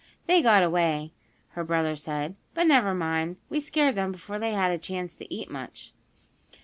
"They got away," her brother said. "But never mind, we scared them before they had a chance to eat much."